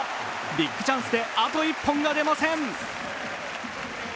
ビッグチャンスであと一本が出ません。